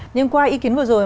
nhưng qua ý kiến vừa rồi